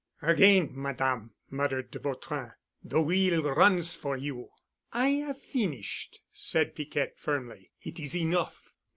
"Again, Madame," muttered de Vautrin, "the wheel runs for you." "I have finished," said Piquette firmly. "It is enough."